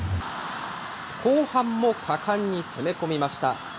後半も果敢に攻め込みました。